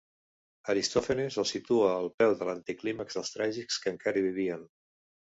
Aristòfanes el situa al peu de l'anticlímax dels tràgics que encara vivien.